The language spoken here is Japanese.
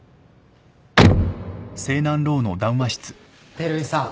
照井さん